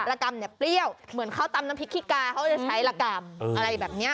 ระกำเปรี้ยวเหมือนเขาตำน้ำพริกขี้กาเขาก็จะใช้ระกำอะไรแบบนี้